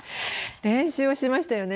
練習をしましたよね。